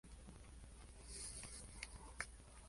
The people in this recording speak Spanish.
Oms, que estaba casado, fue padre de un hijo con hidrocefalia.